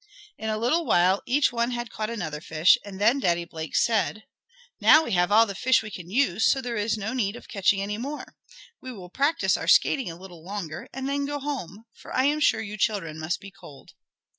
In a little while each one had caught another fish and then Daddy Blake said: "Now we have all the fish we can use, so there is no need of catching any more. We will practice our skating a little longer, and then go home. For I am sure you children must be cold."